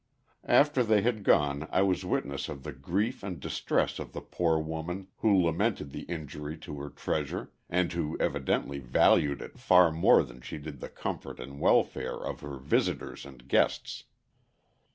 After they had gone I was witness of the grief and distress of the poor woman who lamented the injury to her treasure, and who evidently valued it far more than she did the comfort and welfare of her visitors and guests.